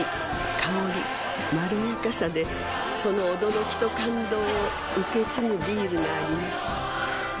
香りまろやかさでその驚きと感動を受け継ぐビールがあります